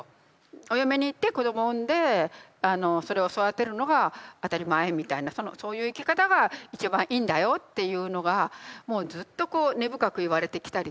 お嫁に行って子どもを産んでそれを育てるのが当たり前みたいなそういう生き方が一番いいんだよっていうのがもうずっとこう根深く言われてきたりとか。